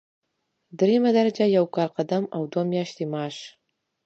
دریمه درجه یو کال قدم او دوه میاشتې معاش.